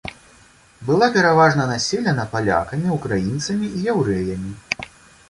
Была пераважна населена палякамі, украінцамі і яўрэямі.